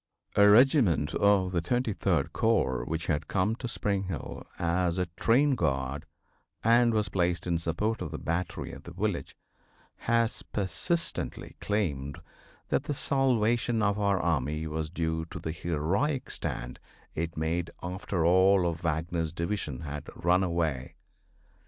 A regiment of the 23d corps which had come to Spring Hill as a train guard, and was placed in support of the battery at the village, has persistently claimed that the salvation of our army was due to the heroic stand it made after all of Wagner's division had run away.